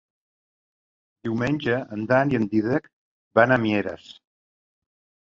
Diumenge en Dan i en Dídac van a Mieres.